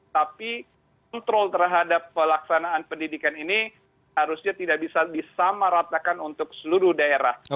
tapi kontrol terhadap pelaksanaan pendidikan ini harusnya tidak bisa disamaratakan untuk seluruh daerah